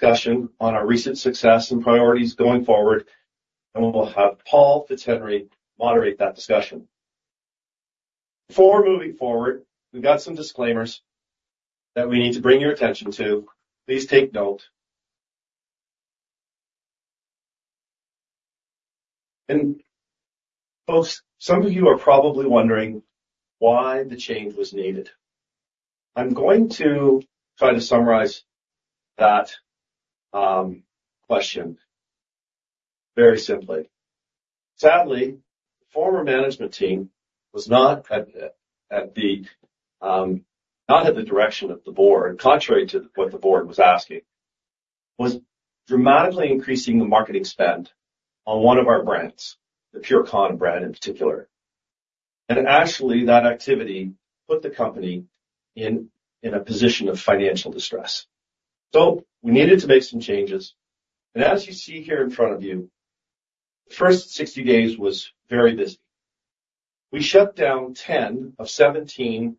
discussion on our recent success and priorities going forward, and we will have Paul Fitzhenry moderate that discussion. Before moving forward, we've got some disclaimers that we need to bring your attention to. Please take note. Folks, some of you are probably wondering why the change was needed. I'm going to try to summarize that question very simply. Sadly, the former management team was not at the direction of the board, contrary to what the board was asking, was dramatically increasing the marketing spend on one of our brands, the PureKana brand in particular. And actually, that activity put the company in a position of financial distress. So we needed to make some changes, and as you see here in front of you, the first 60 days was very busy. We shut down 10 of 17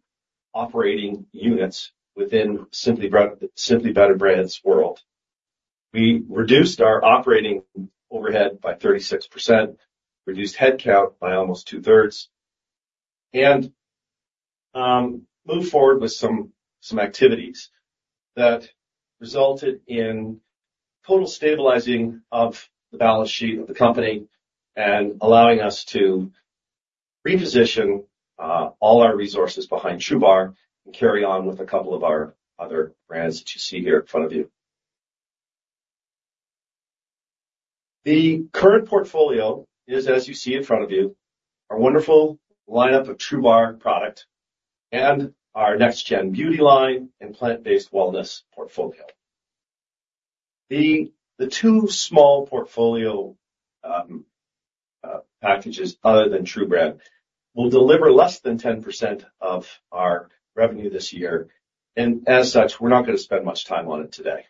operating units within Simply Better Brands world. We reduced our operating overhead by 36%, reduced headcount by almost two-thirds, and moved forward with some activities that resulted in total stabilizing of the balance sheet of the company and allowing us to reposition all our resources behind TRUBAR and carry on with a couple of our other brands that you see here in front of you. The current portfolio is, as you see in front of you, our wonderful lineup of TRUBAR product and our next gen beauty line and plant-based wellness portfolio. The two small portfolio packages other than TRUBAR will deliver less than 10% of our revenue this year, and as such, we're not gonna spend much time on it today.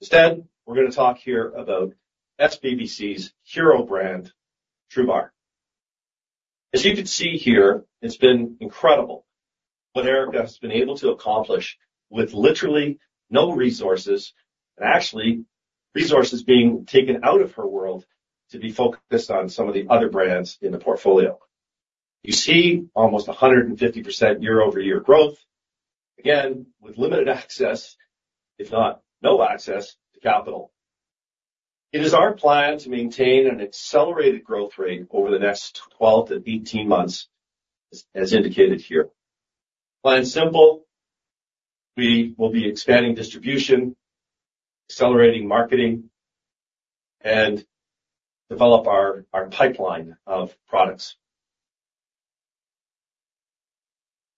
Instead, we're gonna talk here about SBBC's hero brand, TRUBAR. As you can see here, it's been incredible what Erica has been able to accomplish with literally no resources, and actually, resources being taken out of her world to be focused on some of the other brands in the portfolio. You see almost 150% year-over-year growth, again, with limited access, if not no access, to capital. It is our plan to maintain an accelerated growth rate over the next 12-18 months, as indicated here. Plan simple, we will be expanding distribution, accelerating marketing, and develop our pipeline of products.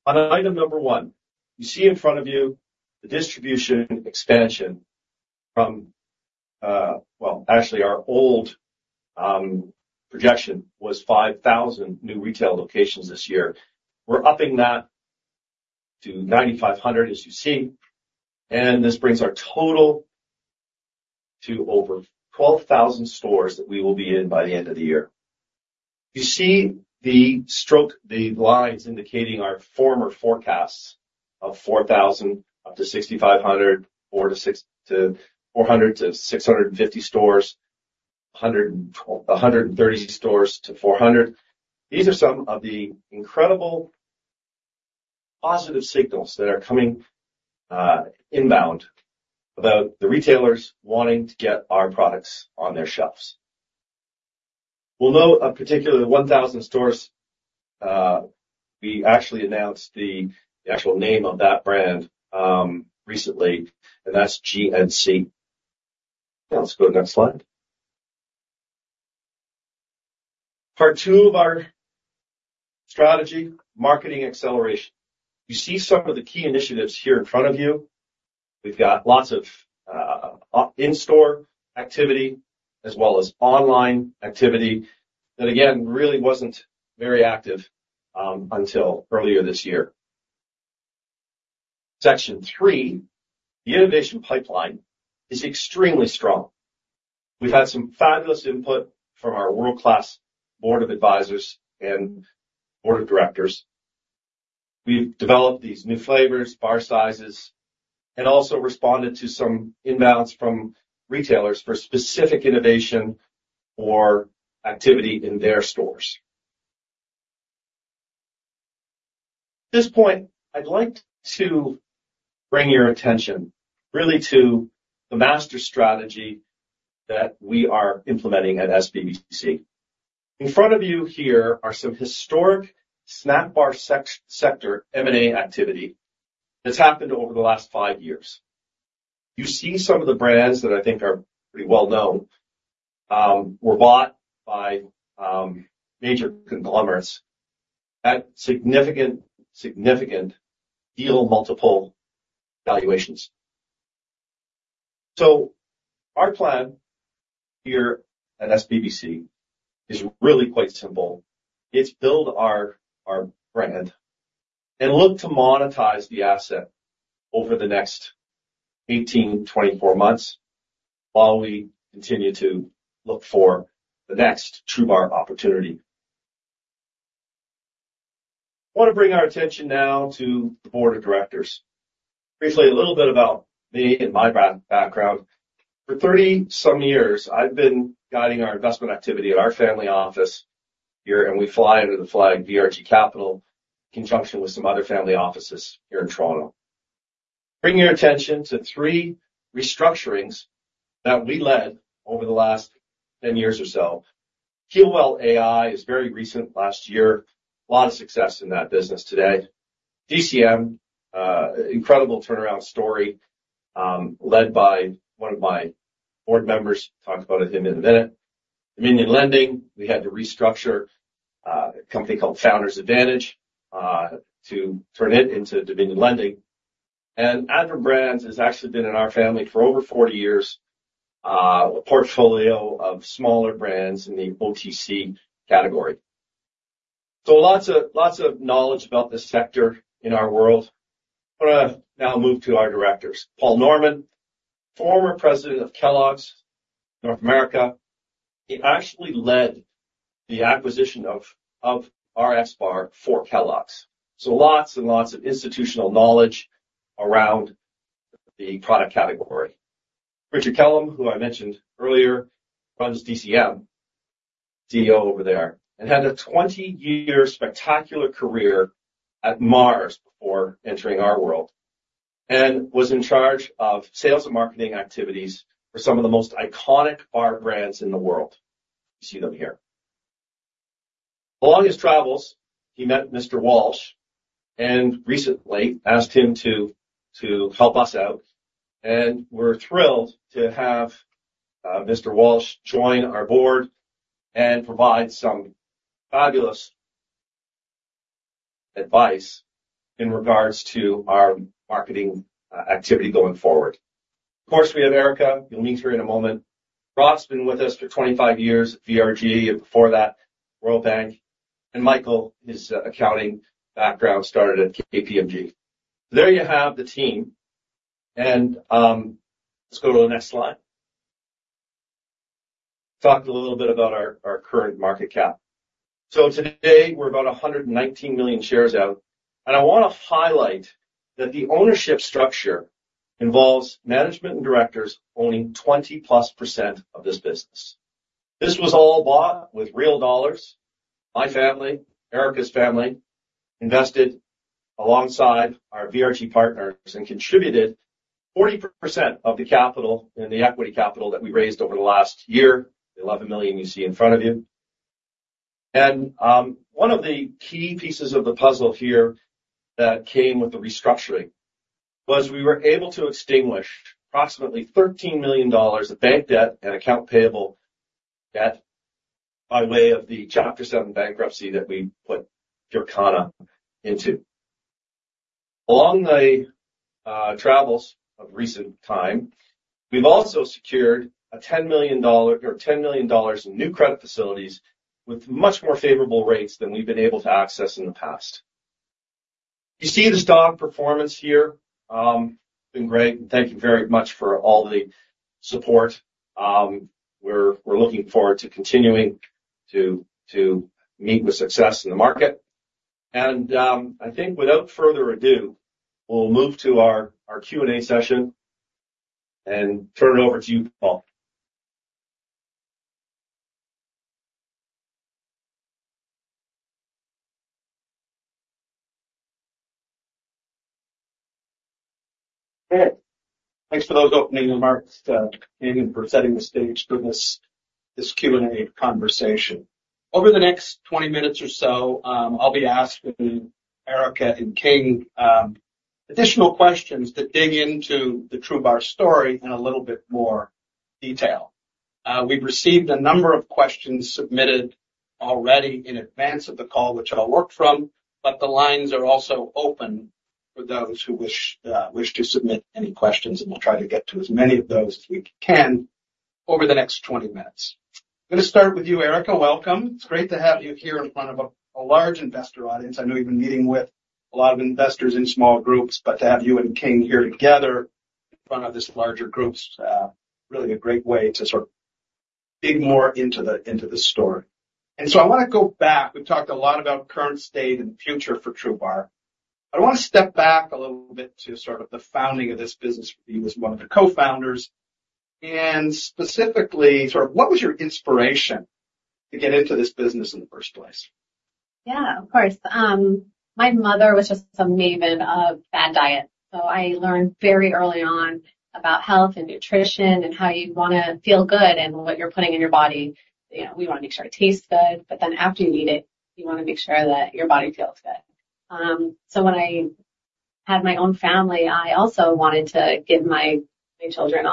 On item number one, you see in front of you the distribution expansion from. Well, actually, our old projection was 5,000 new retail locations this year. We're upping that to 9,500, as you see, and this brings our total to over 12,000 stores that we will be in by the end of the year. You see the stroke, the lines indicating our former forecasts of 4,000, up to 6,500, 400-650 stores, 130 stores to 400. These are some of the incredible positive signals that are coming inbound about the retailers wanting to get our products on their shelves. We'll note a particular 1,000 stores, we actually announced the actual name of that brand recently, and that's GNC. Now, let's go to next slide. Part two of our strategy, marketing acceleration. You see some of the key initiatives here in front of you. We've got lots of in-store activity, as well as online activity, that again, really wasn't very active until earlier this year. Section three, the innovation pipeline, is extremely strong. We've had some fabulous input from our world-class board of advisors and board of directors. We've developed these new flavors, bar sizes, and also responded to some inbounds from retailers for specific innovation or activity in their stores. At this point, I'd like to bring your attention really to the master strategy that we are implementing at SBBC. In front of you here are some historic snack bar sector M&A activity that's happened over the last five years. You see some of the brands that I think are pretty well known were bought by major conglomerates at significant, significant deal multiple valuations. So our plan here at SBBC is really quite simple. It's to build our brand and look to monetize the asset over the next 18-24 months, while we continue to look for the next TRUBAR opportunity.... I want to bring our attention now to the board of directors. Briefly, a little bit about me and my background. For 30-some years, I've been guiding our investment activity at our family office here, and we fly under the flag VRG Capital, in conjunction with some other family offices here in Toronto. Bring your attention to three restructurings that we led over the last 10 years or so. HEALWELL AI is very recent, last year. A lot of success in that business today. DCM, incredible turnaround story, led by one of my board members. Talk about him in a minute. Dominion Lending, we had to restructure a company called Founders Advantage to turn it into Dominion Lending. VRG Capital has actually been in our family for over 40 years, a portfolio of smaller brands in the OTC category. So lots of knowledge about this sector in our world. I'm gonna now move to our directors. Paul Norman, former president of Kellogg's North America. He actually led the acquisition of our RXBAR for Kellogg's. So lots and lots of institutional knowledge around the product category. Richard Kellam, who I mentioned earlier, runs DCM, CEO over there, and had a 20-year spectacular career at Mars before entering our world, and was in charge of sales and marketing activities for some of the most iconic bar brands in the world. You see them here. Along his travels, he met Mr. Walsh and recently asked him to help us out, and we're thrilled to have Mr. Walsh joined our board and provided some fabulous advice in regards to our marketing activity going forward. Of course, we have Erica. You'll meet her in a moment. Rob's been with us for 25 years, VRG, and before that, World Bank. And Michael, his accounting background, started at KPMG. There you have the team. And, let's go to the next slide. Talked a little bit about our current market cap. So today we're about 119 million shares out, and I wanna highlight that the ownership structure involves management and directors owning 20+% of this business. This was all bought with real dollars. My family, Erica's family, invested alongside our VRG partners and contributed 40% of the capital, in the equity capital that we raised over the last year, the $11 million you see in front of you. And, one of the key pieces of the puzzle here that came with the restructuring was we were able to extinguish approximately $13 million of bank debt and accounts payable debt by way of the Chapter 7 bankruptcy that we put PureKana into. Along the travels of recent time, we've also secured a $10 million in new credit facilities with much more favorable rates than we've been able to access in the past. You see the stock performance here, been great, and thank you very much for all the support. We're looking forward to continuing to meet with success in the market. And, I think without further ado, we'll move to our Q&A session and turn it over to you, Paul. Great. Thanks for those opening remarks and for setting the stage for this Q&A conversation. Over the next 20 minutes or so, I'll be asking Erica and King additional questions that dig into the TRUBAR story in a little bit more detail. We've received a number of questions submitted already in advance of the call, which I'll work from, but the lines are also open for those who wish to submit any questions, and we'll try to get to as many of those as we can over the next 20 minutes. I'm gonna start with you, Erica. Welcome. It's great to have you here in front of a large investor audience. I know you've been meeting with a lot of investors in small groups, but to have you and King here together in front of this larger group is really a great way to sort of dig more into the, into the story. And so I wanna go back. We've talked a lot about current state and future for TRUBAR, but I want to step back a little bit to sort of the founding of this business for you as one of the co-founders, and specifically, sort of, what was your inspiration to get into this business in the first place? Yeah, of course. My mother was just a maven of bad diet, so I learned very early on about health and nutrition and how you wanna feel good and what you're putting in your body. You know, we wanna make sure it tastes good, but then after you eat it, you wanna make sure that your body feels good. So when I had my own family, I also wanted to give my children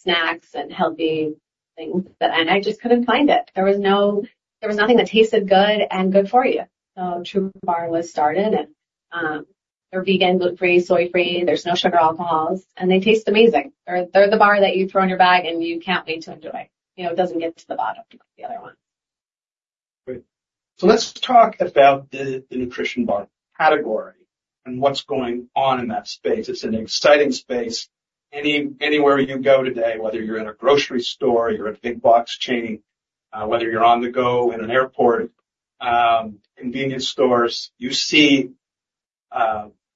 on-the-go snacks and healthy things, but I just couldn't find it. There was nothing that tasted good and good for you. So TRUBAR was started, and they're vegan, gluten-free, soy-free, there's no sugar alcohols, and they taste amazing. They're the bar that you throw in your bag, and you can't wait to enjoy. You know, it doesn't get to the bottom like the other one. Great. So let's talk about the nutrition bar category and what's going on in that space. It's an exciting space. Anywhere you go today, whether you're in a grocery store, you're at a big box chain, whether you're on the go in an airport, convenience stores, you see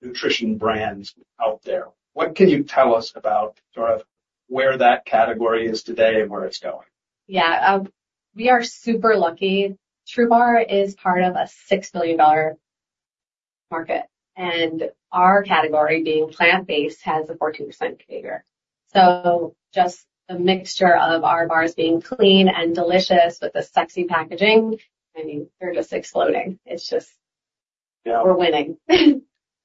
nutrition brands out there. What can you tell us about sort of where that category is today and where it's going? Yeah, we are super lucky. TRUBAR is part of a $6 billion market, and our category, being plant-based, has a 14% CAGR. So just the mixture of our bars being clean and delicious with the sexy packaging, I mean, they're just exploding. It's just- Yeah. We're winning.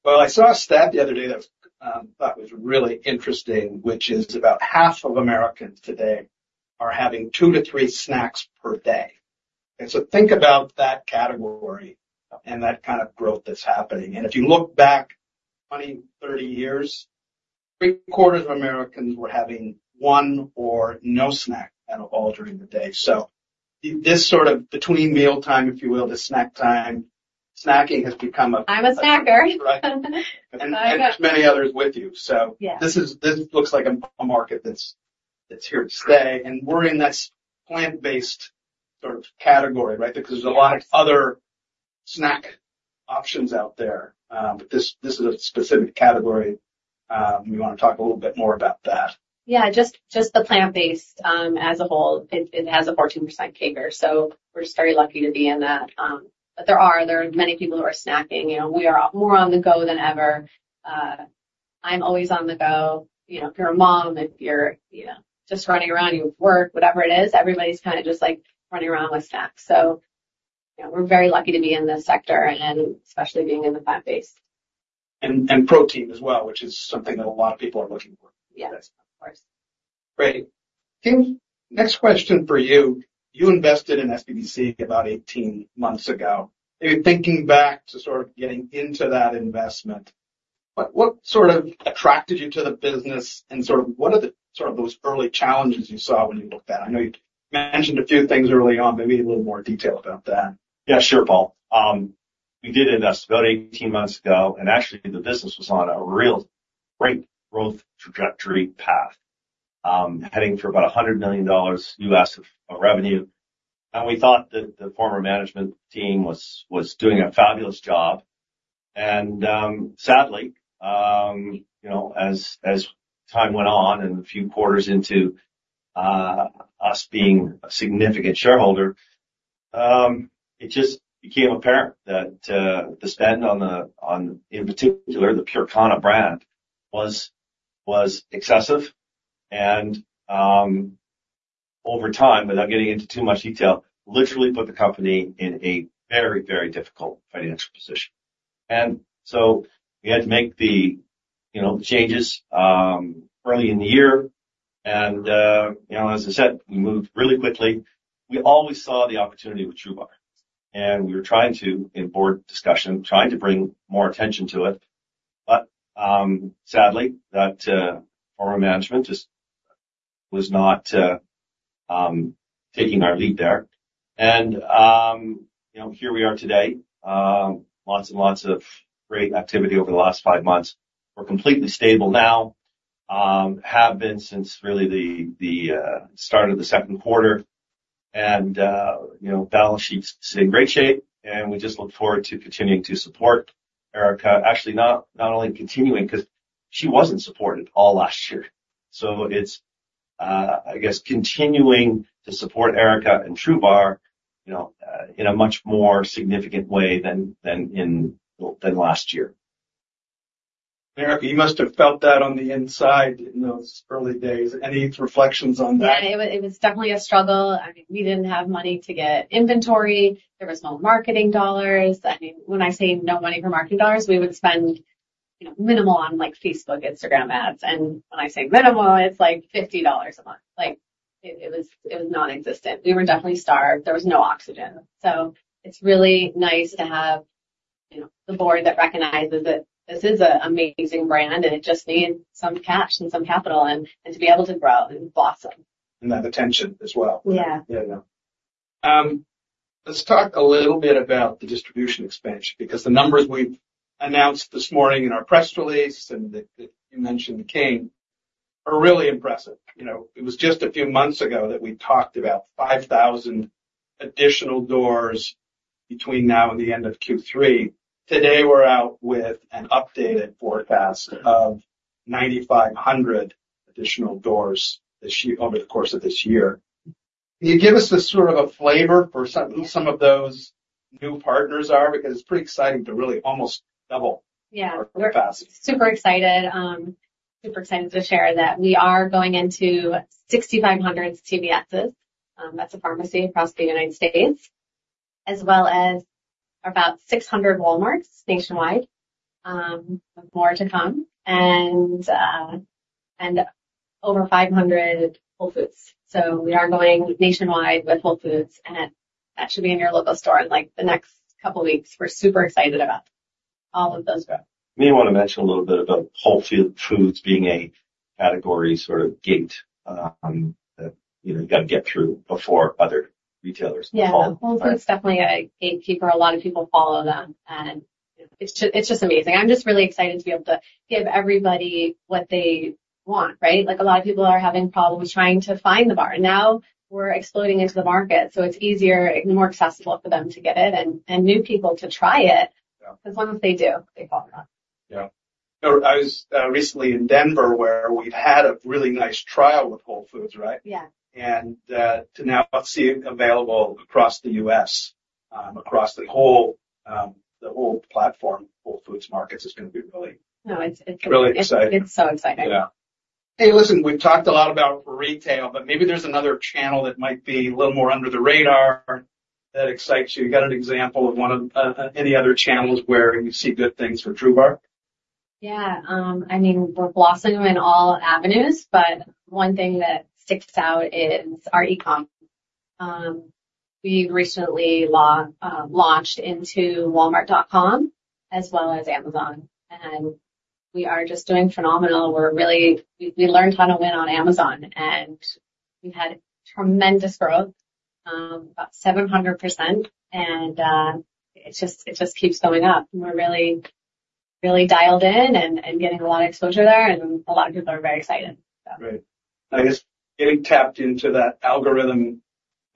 Well, I saw a stat the other day that, I thought was really interesting, which is about half of Americans today are having 2-3 snacks per day. And so think about that category and that kind of growth that's happening. And if you look back 20, 30 years, three-quarters of Americans were having 1 or no snack at all during the day. So this sort of between mealtime, if you will, to snack time, snacking has become a- I'm a snacker. Right. And, there's many others with you. Yeah. So this looks like a market that's, that's here to stay, and we're in this plant-based sort of category, right? Yeah. Because there's a lot of other snack options out there, but this, this is a specific category. We wanna talk a little bit more about that. Yeah, just the plant-based, as a whole, it has a 14% CAGR, so we're just very lucky to be in that. But there are many people who are snacking, you know, we are more on the go than ever. I'm always on the go, you know, if you're a mom, you know, just running around, you work, whatever it is, everybody's kinda just, like, running around with snacks. So, you know, we're very lucky to be in this sector and especially being in the plant-based. Protein as well, which is something that a lot of people are looking for. Yes, of course. Great. King, next question for you. You invested in SBBC about 18 months ago. Maybe thinking back to sort of getting into that investment, what, what sort of attracted you to the business, and sort of, what are the sort of those early challenges you saw when you looked at it? I know you mentioned a few things early on, maybe a little more detail about that. Yeah, sure, Paul. We did invest about 18 months ago, and actually, the business was on a real great growth trajectory path, heading for about $100 million of revenue. And we thought that the former management team was doing a fabulous job. And, sadly, you know, as time went on and a few quarters into us being a significant shareholder, it just became apparent that the spend on the, on, in particular, the PureKana brand, was excessive. And, over time, without getting into too much detail, literally put the company in a very, very difficult financial position. And so we had to make the changes early in the year. And, as I said, we moved really quickly. We always saw the opportunity with TRUBAR, and we were trying to, in board discussion, trying to bring more attention to it. But sadly, that former management just was not taking our lead there. And you know, here we are today, lots and lots of great activity over the last 5 months. We're completely stable now, have been since really the start of the second quarter. And you know, balance sheet's in great shape, and we just look forward to continuing to support Erica. Actually, not only continuing, 'cause she wasn't supported all last year. So it's, I guess, continuing to support Erica and TRUBAR, you know in a much more significant way than in last year. Erica, you must have felt that on the inside in those early days. Any reflections on that? Yeah, it was, it was definitely a struggle. I mean, we didn't have money to get inventory. There was no marketing dollars. I mean, when I say no money for marketing dollars, we would spend, you know, minimal on, like, Facebook, Instagram ads. And when I say minimal, it's like $50 a month. Like, it, it was, it was nonexistent. We were definitely starved. There was no oxygen. So it's really nice to have, you know, the board that recognizes that this is an amazing brand, and it just needs some cash and some capital and, and to be able to grow and blossom. Have attention as well. Yeah. Yeah, yeah. Let's talk a little bit about the distribution expansion, because the numbers we've announced this morning in our press release and that you mentioned, King, are really impressive. You know, it was just a few months ago that we talked about 5,000 additional doors between now and the end of Q3. Today, we're out with an updated forecast of 9,500 additional doors this year, over the course of this year. Can you give us a sort of a flavor for some of those new partners are? Because it's pretty exciting to really almost double- Yeah. -our capacity. Super excited. Super excited to share that we are going into 6,500 CVSs, that's a pharmacy across the United States, as well as about 600 Walmarts nationwide, more to come, and over 500 Whole Foods. So we are going nationwide with Whole Foods, and that should be in your local store in, like, the next couple of weeks. We're super excited about all of those growth. May want to mention a little bit about Whole Foods being a category sort of gate, you know, that you got to get through before other retailers. Yeah. Whole Foods is definitely a gatekeeper. A lot of people follow them, and it's just, it's just amazing. I'm just really excited to be able to give everybody what they want, right? Like, a lot of people are having problems trying to find the bar, and now we're exploding into the market, so it's easier and more accessible for them to get it and, and new people to try it. Yeah. As long as they do, they fall in love. Yeah. I was recently in Denver, where we've had a really nice trial with Whole Foods, right? Yeah. And to now see it available across the U.S., across the whole platform, Whole Foods Market, is gonna be really- No, it's- Really exciting. It's so exciting. Yeah. Hey, listen, we've talked a lot about retail, but maybe there's another channel that might be a little more under the radar that excites you. You got an example of one of any other channels where you see good things for TRUBAR? Yeah. I mean, we're blossoming in all avenues, but one thing that sticks out is our e-com. We recently launched into Walmart.com as well as Amazon, and we are just doing phenomenal. We're really. We learned how to win on Amazon, and we've had tremendous growth, about 700%, and it just, it just keeps going up. We're really, really dialed in and getting a lot of exposure there, and a lot of people are very excited, so. Great. I guess getting tapped into that algorithm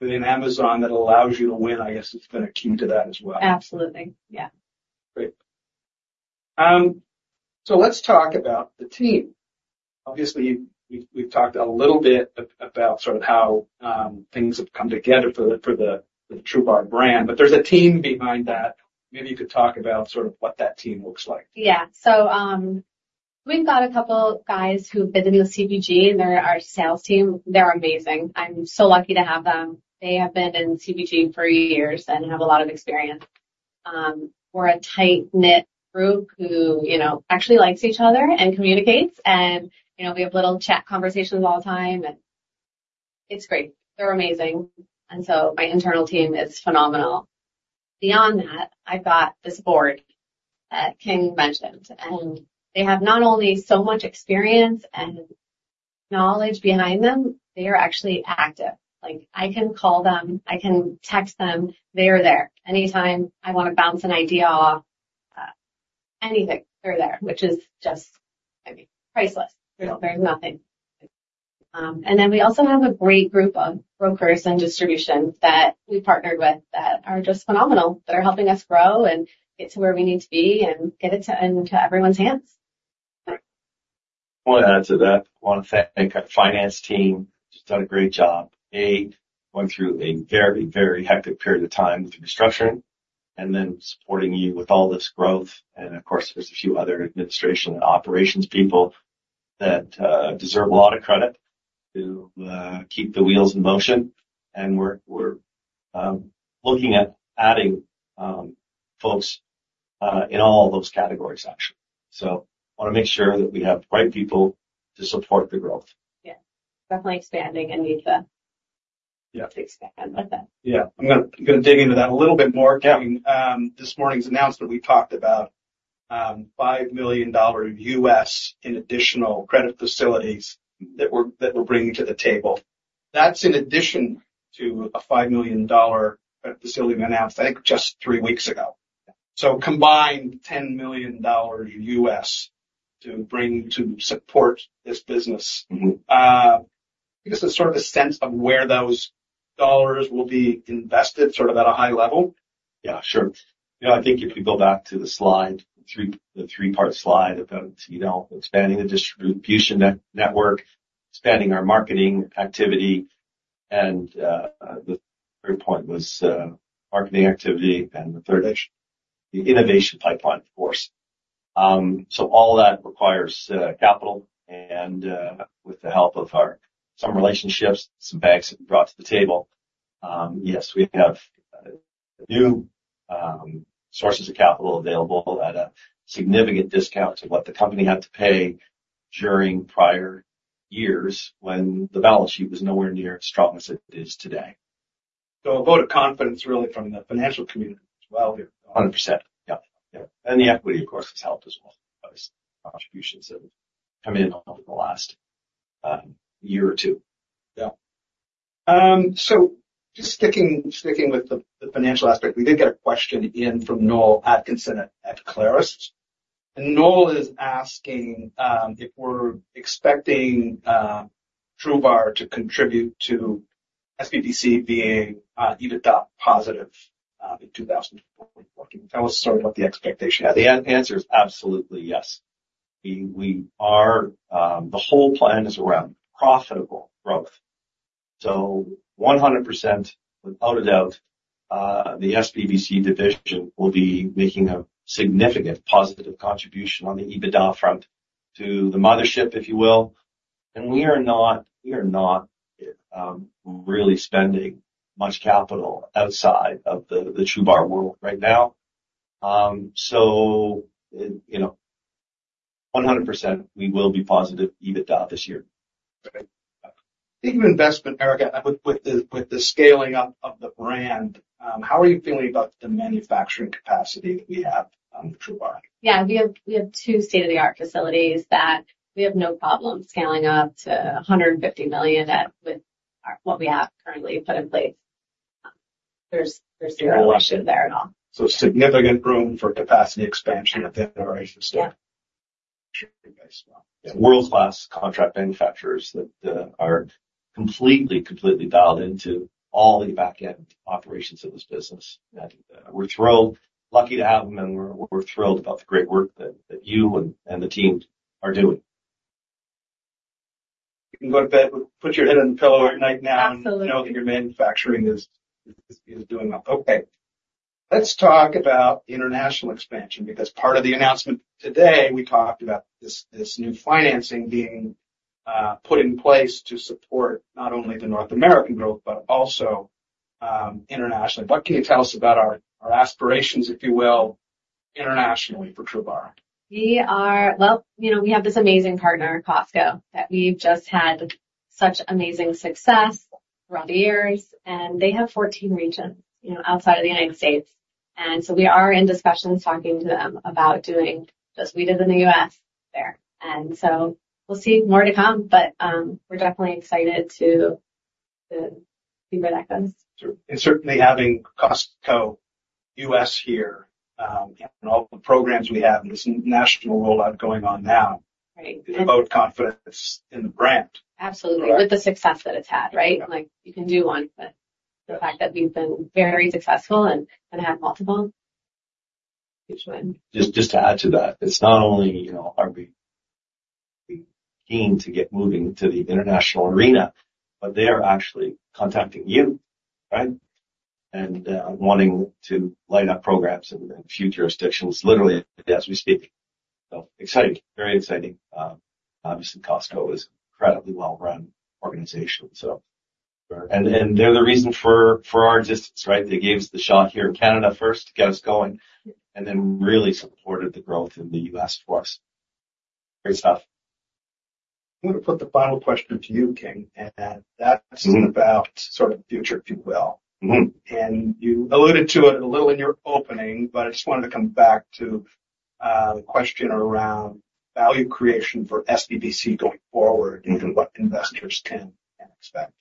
within Amazon that allows you to win, I guess, has been a key to that as well. Absolutely. Yeah. Great. So let's talk about the team. Obviously, we've talked a little bit about sort of how things have come together for the TRUBAR brand, but there's a team behind that. Maybe you could talk about sort of what that team looks like. Yeah. So, we've got a couple guys who've been in CPG, and they're our sales team. They're amazing. I'm so lucky to have them. They have been in CPG for years and have a lot of experience. We're a tight-knit group who, you know, actually likes each other and communicates, and, you know, we have little chat conversations all the time, and it's great. They're amazing. And so my internal team is phenomenal. Beyond that, I've got this board that King mentioned, and they have not only so much experience and knowledge behind them, they are actually active. Like, I can call them, I can text them, they are there. Anytime I wanna bounce an idea off, anything, they're there, which is just, I mean, priceless. Great. There's nothing. And then we also have a great group of brokers and distribution that we partnered with that are just phenomenal. They're helping us grow and get to where we need to be and get it to, into everyone's hands. Great. I wanna add to that. I wanna thank our finance team, which has done a great job going through a very, very hectic period of time with restructuring and then supporting you with all this growth. And, of course, there's a few other administration and operations people that deserve a lot of credit to keep the wheels in motion. And we're, we're, looking at adding folks in all those categories, actually. So wanna make sure that we have the right people to support the growth. Yeah. Definitely expanding and need to- Yeah to expand with that. Yeah. I'm gonna dig into that a little bit more. Yeah. This morning's announcement, we talked about $5 million in additional credit facilities that we're bringing to the table. That's in addition to a $5 million facility we announced, I think, just three weeks ago. So combined, $10 million to bring to support this business. Mm-hmm. Give us a sort of a sense of where those dollars will be invested, sort of at a high level? Yeah, sure. You know, I think if you go back to the slide 3, the three-part slide about, you know, expanding the distribution network, expanding our marketing activity, and, the third point was, marketing activity, and the third issue, the innovation pipeline, of course. So all that requires, capital and, with the help of our... some relationships, some banks have brought to the table, yes, we have, new, sources of capital available at a significant discount to what the company had to pay during prior years when the balance sheet was nowhere near as strong as it is today. A vote of confidence, really, from the financial community as well here. 100%. Yeah. Yeah. And the equity, of course, has helped as well. Obviously, contributions that have come in over the last year or two. Yeah. So just sticking with the financial aspect, we did get a question in from Noel Atkinson at Clarus. Noel is asking if we're expecting TRUBAR to contribute to SBBC being EBITDA positive in 2024. Tell us sort of what the expectation is. The answer is absolutely yes. We, we are. The whole plan is around profitable growth. So 100%, without a doubt, the SBBC division will be making a significant positive contribution on the EBITDA front to the mothership, if you will. And we are not, we are not, really spending much capital outside of the, the TRUBAR world right now. So, you know, 100%, we will be positive EBITDA this year. Great. Speaking of investment, Erica, with the scaling up of the brand, how are you feeling about the manufacturing capacity that we have on TRUBAR? Yeah, we have, we have two state-of-the-art facilities that we have no problem scaling up to $150 million at, with our, what we have currently put in place. There's, there's zero issue there at all. Significant room for capacity expansion at the current state? Yeah. World-class contract manufacturers that are completely, completely dialed into all the back-end operations of this business. And we're thrilled, lucky to have them, and we're thrilled about the great work that you and the team are doing. You can go to bed, put your head on the pillow at night now- Absolutely. know that your manufacturing is doing well. Okay, let's talk about international expansion, because part of the announcement today, we talked about this new financing being put in place to support not only the North American growth, but also internationally. What can you tell us about our aspirations, if you will, internationally for TRUBAR? We are... Well, you know, we have this amazing partner, Costco, that we've just had such amazing success throughout the years, and they have 14 regions, you know, outside of the United States. And so we are in discussions talking to them about doing just what we did in the US there. And so we'll see. More to come, but we're definitely excited to, to see where that goes. Certainly having Costco U.S. here, and all the programs we have, and this national rollout going on now… Right. is about confidence in the brand. Absolutely. Right. With the success that it's had, right? Yeah. Like, you can do one, but the fact that we've been very successful and, and have multiple, which when- Just to add to that, it's not only, you know, are we keen to get moving to the international arena, but they are actually contacting you, right? And wanting to light up programs in a few jurisdictions, literally as we speak. So exciting. Very exciting. Obviously, Costco is incredibly well-run organization, so. And they're the reason for our existence, right? They gave us the shot here in Canada first to get us going, and then really supported the growth in the US for us. Great stuff. I'm gonna put the final question to you, King, and that is about sort of the future, if you will. Mm-hmm. You alluded to it a little in your opening, but I just wanted to come back to the question around value creation for SBBC going forward and what investors can expect.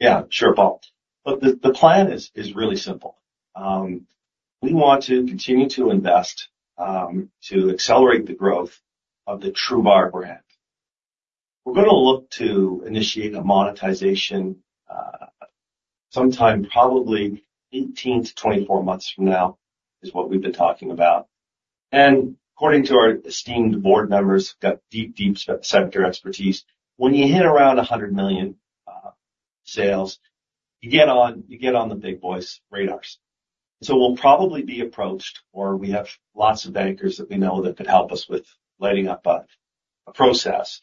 Yeah, sure, Paul. Look, the plan is really simple. We want to continue to invest to accelerate the growth of the TRUBAR brand. We're gonna look to initiate a monetization sometime, probably 18-24 months from now, is what we've been talking about. And according to our esteemed board members, who've got deep, deep sector expertise, when you hit around $100 million sales, you get on, you get on the big boys' radars. So we'll probably be approached, or we have lots of bankers that we know that could help us with lighting up a process.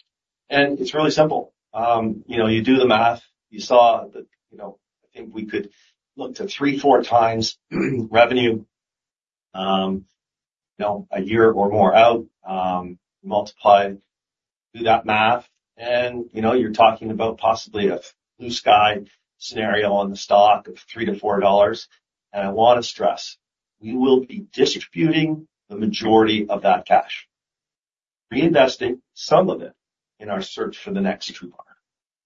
And it's really simple. You know, you do the math, you saw that, you know, I think we could look to 3-4 times revenue, you know, a year or more out, multiply, do that math, and, you know, you're talking about possibly a blue sky scenario on the stock of $3-$4. I want to stress, we will be distributing the majority of that cash, reinvesting some of it in our search for the next TRUBAR,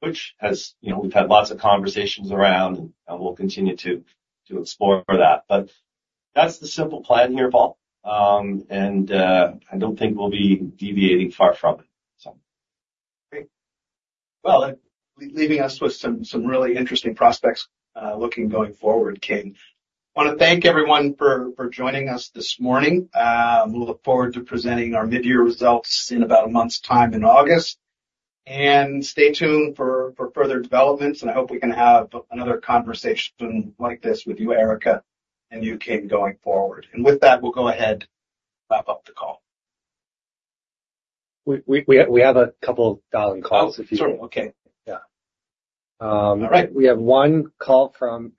which has, you know, we've had lots of conversations around, and we'll continue to, to explore that. But that's the simple plan here, Paul. And, I don't think we'll be deviating far from it, so. Great. Well, leaving us with some really interesting prospects looking going forward, King. I wanna thank everyone for joining us this morning. We'll look forward to presenting our mid-year results in about a month's time in August. And stay tuned for further developments, and I hope we can have another conversation like this with you, Erica, and you, King, going forward. And with that, we'll go ahead wrap up the call. We have a couple of dialing calls if you- Sure. Okay. Yeah. All right. We have one call from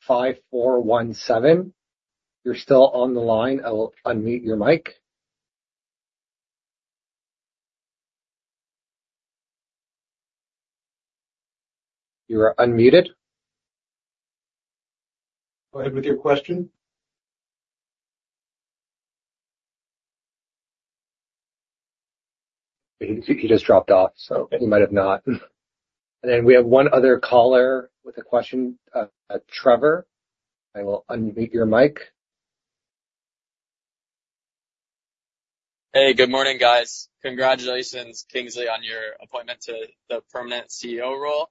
5417. You're still on the line. I will unmute your mic. You are unmuted. Go ahead with your question. He just dropped off, so he might have not. Okay. And then we have one other caller with a question, Trevor, I will unmute your mic. Hey, good morning, guys. Congratulations, Kingsley, on your appointment to the permanent CEO role,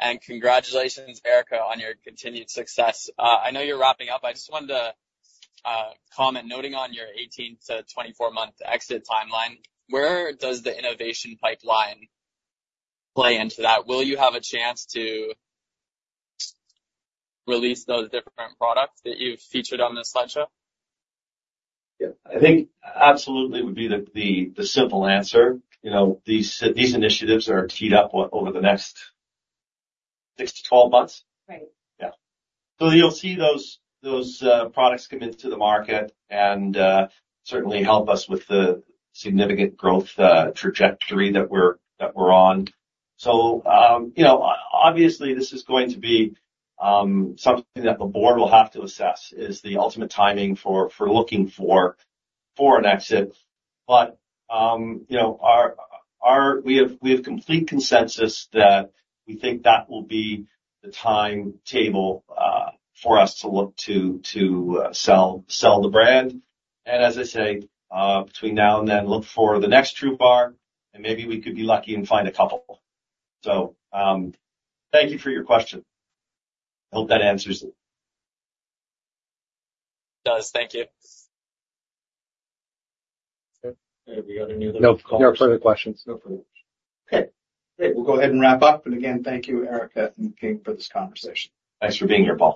and congratulations, Erica, on your continued success. I know you're wrapping up. I just wanted to comment, noting on your 18- to 24-month exit timeline, where does the innovation pipeline play into that? Will you have a chance to release those different products that you've featured on this slideshow? Yeah, I think absolutely would be the simple answer. You know, these initiatives are teed up over the next 6-12 months. Right. Yeah. So you'll see those products come into the market and certainly help us with the significant growth trajectory that we're on. So, you know, obviously, this is going to be something that the board will have to assess, is the ultimate timing for looking for an exit. But, you know, our, our—we have complete consensus that we think that will be the timetable for us to look to sell the brand. And as I say, between now and then, look for the next TRUBAR, and maybe we could be lucky and find a couple. So, thank you for your question. I hope that answers it. It does. Thank you. Okay. Have we got any other- No, no further questions. No further questions. Okay. Great, we'll go ahead and wrap up. And again, thank you, Erica and King, for this conversation. Thanks for being here, Paul.